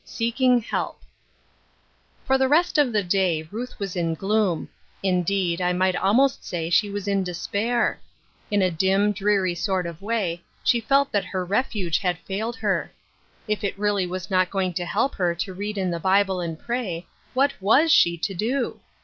SEEKING HELP 'OR tlie rest of the day Ruth was in gloom ; indeed, I might almost say she was in despair. In a dim, dreary sort of way, she felt that her refuge had failed her. If it really was not going to help her to read in the Bible and pray, what was she to do